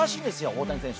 大谷選手。